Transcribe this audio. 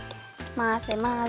まぜまぜ。